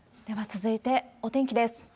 では続いて、お天気です。